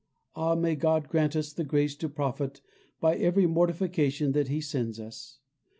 Ah! may God grant us the grace to profit by every mortification that He sends us.